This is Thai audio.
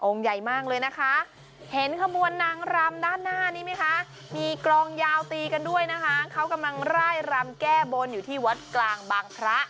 ใหญ่มากเลยนะคะเห็นขบวนนางรำด้านหน้านี้ไหมคะมีกลองยาวตีกันด้วยนะคะเขากำลังไล่รำแก้บนอยู่ที่วัดกลางบางพระ